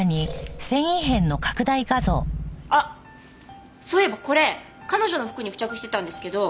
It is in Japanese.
あっそういえばこれ彼女の服に付着してたんですけど